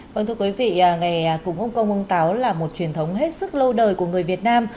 vâng thưa quý vị ngày cúng ông công ông táo là một truyền thống hết sức lâu đời của người việt nam